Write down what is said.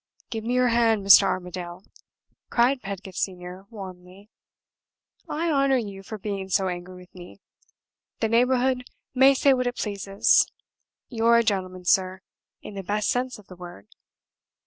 "Give me your hand, Mr. Armadale!" cried Pedgift Senior, warmly; "I honor you for being so angry with me. The neighborhood may say what it pleases; you're a gentleman, sir, in the best sense of the word.